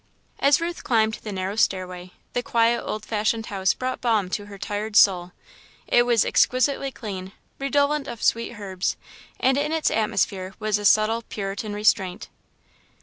As Ruth climbed the narrow stairway, the quiet, old fashioned house brought balm to her tired soul. It was exquisitely clean, redolent of sweet herbs, and in its atmosphere was a subtle, Puritan restraint.